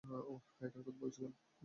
হ্যাঁ, এটার কথাই বলছিলাম।